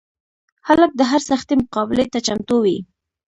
هلک د هر سختي مقابلې ته چمتو وي.